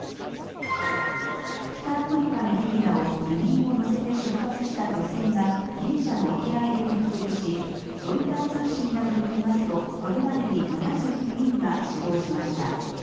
北アフリカのリビアを移民を乗せて出発した漁船がギリシャの沖合で転覆しロイター通信などによりますとこれまでに７９人が死亡しました。